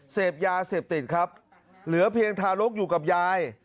เสพยาเสพติดครับเหลือเพียงทารกอยู่กับยาย